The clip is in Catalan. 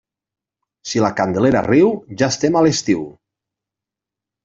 Si la Candelera riu, ja estem a l'estiu.